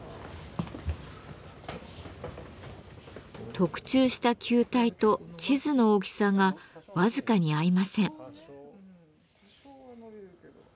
特注した球体と地図の大きさが僅かに合いません。